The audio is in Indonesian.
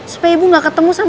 supaya ibu gak ketemu sama ibu